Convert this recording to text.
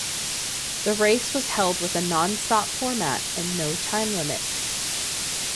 The race was held with a non-stop format and no time limit.